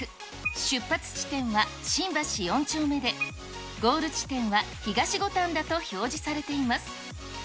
出発地点は新橋４丁目で、ゴール地点は、東五反田と表示されています。